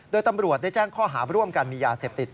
โดยตำรวจได้แจ้งข้อหาร่วมกันมียาเสพติด